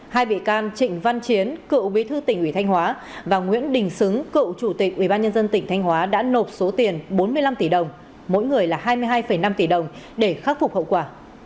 hai bị can trịnh văn chiến cựu bí thư tỉnh ủy thanh hóa và nguyễn đình xứng cựu chủ tịch ubnd tỉnh thanh hóa đã nộp số tiền bốn mươi năm tỷ đồng mỗi người là hai mươi hai năm tỷ đồng để khắc phục hậu quả